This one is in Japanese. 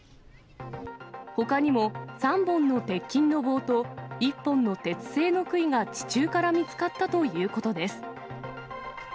ほかにも３本の鉄筋の棒と１本の鉄製のくいが地中から見つかったということです。